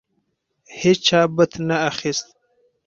هیچا بت نه اخیست.